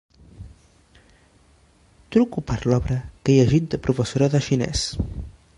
Truco per l'obra que he llegit de professora de xinès.